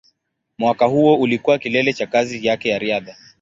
Mwaka huo ulikuwa kilele cha kazi yake ya riadha.